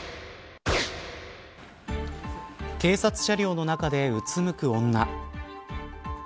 警察車両の中でうつむく女。